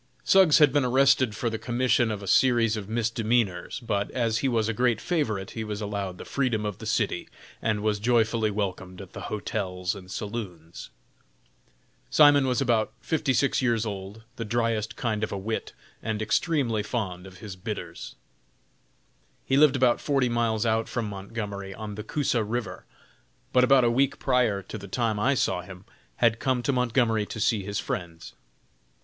Suggs had been arrested for the commission of a series of misdemeanors, but, as he was a great favorite, he was allowed the freedom of the city, and was joyfully welcomed at the hotels and saloons. Simon was about fifty six years old, the dryest kind of a wit, and extremely fond of his bitters. He lived about forty miles out from Montgomery, on the Coosa river, but about a week prior to the time I saw him, had come to Montgomery to see his friends.